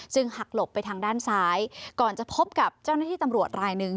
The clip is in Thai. หักหลบไปทางด้านซ้ายก่อนจะพบกับเจ้าหน้าที่ตำรวจรายหนึ่ง